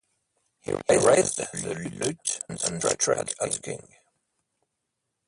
He raised the lute and struck at the king.